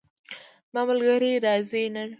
زما ملګری راځي نن